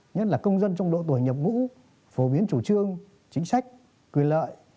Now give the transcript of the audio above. nhất là công dân trong độ tuổi nhập ngũ phổ biến chủ trương chính sách quyền lợi